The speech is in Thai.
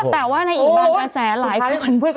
แต่ว่าในอีกบางกระแสหลายคน